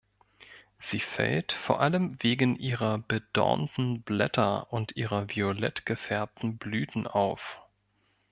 Sie fällt vor allem wegen ihrer bedornten Blätter und ihrer violett gefärbten Blüten auf.